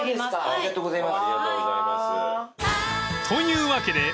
ありがとうございます。